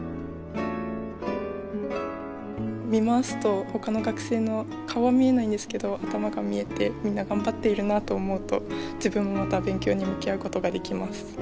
見回すとほかの学生の顔は見えないんですけど頭が見えてみんな頑張っているなと思うと自分もまた勉強に向き合う事ができます。